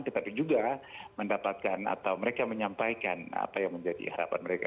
tetapi juga mendapatkan atau mereka menyampaikan apa yang menjadi harapan mereka